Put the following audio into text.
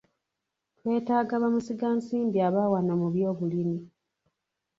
Twetaaga bamusigansimbi aba wano mu byobulimi.